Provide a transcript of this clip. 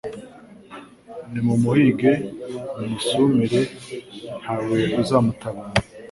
nimumuhige mumusumire nta we uzamutabara»